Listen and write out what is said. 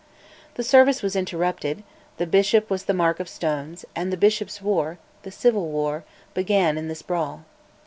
The service was interrupted, the Bishop was the mark of stones, and "the Bishops' War," the Civil War, began in this brawl.